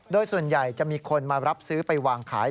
โดยส่วนใหญ่จะมีคนมารับซื้อไปวางขาย